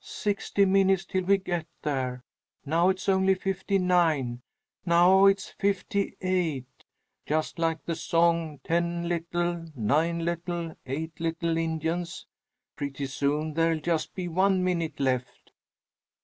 "Sixty minutes till we get there. Now it's only fifty nine. Now it's fifty eight just like the song 'Ten little, nine little, eight little Indians.' Pretty soon there'll just be one minute left."